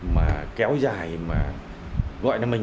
mà kéo dài mà gọi là mình